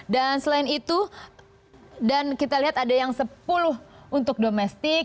dan selain itu dan kita lihat ada yang sepuluh untuk domestik